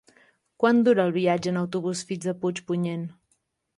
Quant dura el viatge en autobús fins a Puigpunyent?